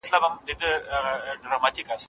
آیا په مدرسو کي عصري علوم هم تدریس کیږي؟